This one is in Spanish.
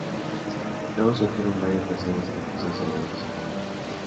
Luego surgieron varias versiones confusas sobre su familia.